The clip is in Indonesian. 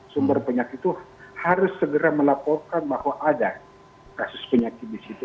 sumber penyakit itu harus segera melaporkan bahwa ada kasus penyakit di situ